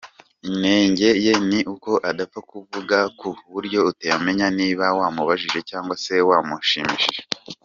Inenge ye ni uko adapfa kuvuga ku buryo utamenya niba wamubabaje cyangwa se wamushimishije.